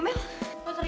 udah dall tehuters